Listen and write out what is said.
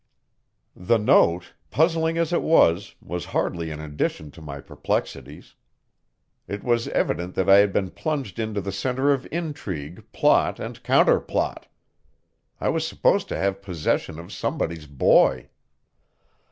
The note, puzzling as it was, was hardly an addition to my perplexities. It was evident that I had been plunged into the center of intrigue, plot and counterplot. I was supposed to have possession of somebody's boy.